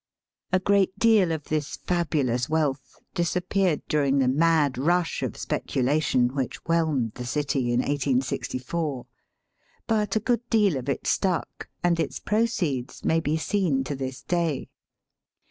A great deal of this fabulous wealth disappeared during the mad rush of speculation which whelmed the city in 1864 ; but a good deal of it stuck, and its proceeds may be seen to this day.